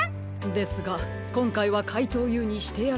ですがこんかいはかいとうＵにしてやられました。